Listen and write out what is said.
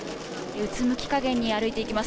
うつむきかげんに歩いていきます。